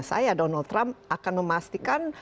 saya donald trump akan memastikan